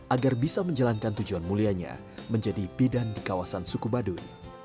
agar bisa menjalankan tujuan mulianya menjadi bidang di kawasan suku baduy